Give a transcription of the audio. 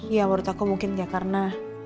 ya menurut aku mungkin ya karena